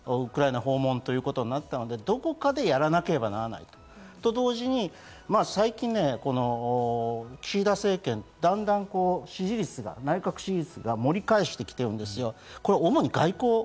むしろ、Ｇ７の中で日本が、最後のウクライナ訪問ということになったので、どこかでやらなければならないと同時に、最近ね、岸田政権、だんだん支持率が盛り返してきているんですよ。